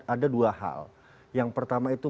ada dua hal yang pertama itu